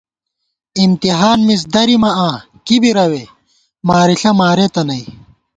امتحان مِز درِمہ آں کی بی روے ، مارِݪہ مارېتہ نئ